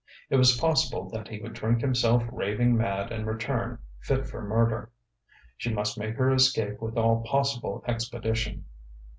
It was possible that he would drink himself raving mad and return fit for murder. She must make her escape with all possible expedition....